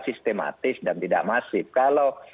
sistematis dan tidak masif kalau